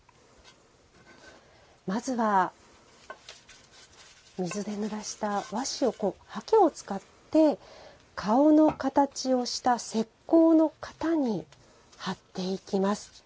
まずは水でぬらした和紙をはけを使って顔の形をした石こうの型に張っていきます。